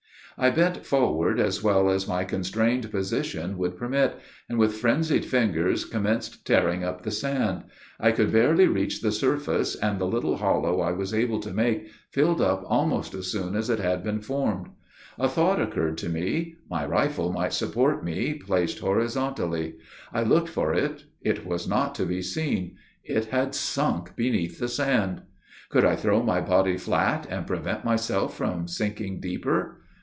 I bent forward as well as my constrained position would permit; and, with frenzied fingers commenced tearing up the sand. I could barely reach the surface, and the little hollow I was able to make filled up almost as soon as it had been formed. A thought occurred to me. My rifle might support me, placed horizontally. I looked for it. It was not to be seen. It had sunk beneath the sand. Could I throw my body flat, and prevent myself from sinking deeper?